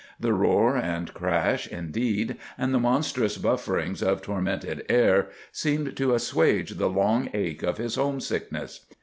The roar and crash, indeed, and the monstrous bufferings of tormented air, seemed to assuage the long ache of his home sickness.